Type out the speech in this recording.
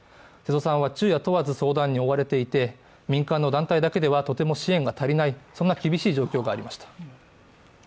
瀬戸さんは昼夜問わず相談に追われていて、民間の団体だけではとても支援が足りない、そんな厳しい状態がありました。